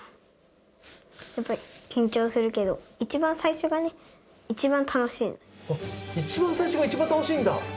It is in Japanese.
やっぱり緊張するけど、一番最初が一番楽しいんだ。